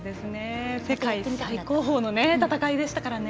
世界最高峰の戦いでしたから。